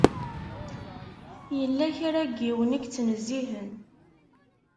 Yella kra n yiwen i yettnezzihen.